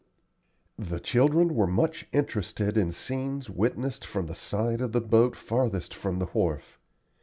The children were much interested in scenes witnessed from the side of the boat farthest from the wharf.